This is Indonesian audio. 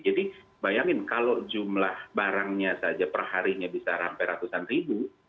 jadi bayangkan kalau jumlah barangnya saja perharinya bisa sampai ratusan ribu